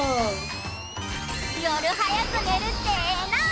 よるはやくねるってええな！